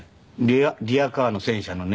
リヤカーの戦車のね